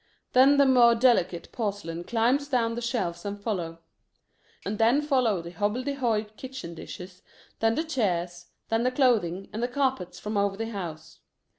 Then the more delicate porcelains climb down the shelves and follow. Then follow the hobble de hoy kitchen dishes, then the chairs, then the clothing, and the carpets from over the house.